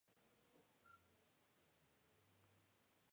Las tormentas de polvo son comunes.